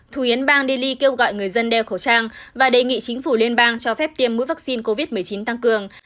thủ yến bang delhi kêu gọi người dân đeo khẩu trang và đề nghị chính phủ liên bang cho phép tiêm mũi vaccine covid một mươi chín tăng cường